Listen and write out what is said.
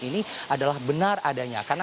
ini adalah benar adanya karena